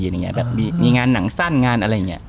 มีงานหนังสั้นที่มีงานหรืออะไรอย่างเงี้ย